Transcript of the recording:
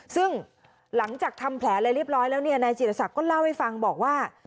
ซึ่งหลังจากทำแผลอะไรเรียบร้อยแล้วเนี่ยนายจิตศักดิ์ก็เล่าให้ฟังบอกว่า